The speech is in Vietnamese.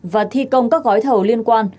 khi công các gói thầu liên quan